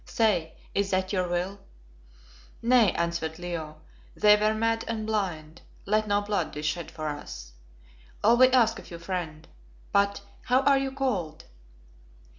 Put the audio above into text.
Say, is that your will?" "Nay," answered Leo; "they were mad and blind, let no blood be shed for us. All we ask of you, friend but, how are you called?"